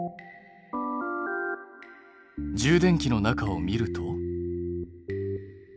充電器の中を見ると。